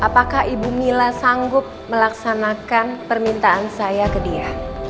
apakah ibu mila sanggup melaksanakan permintaan saya ke dia